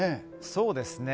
そうですね。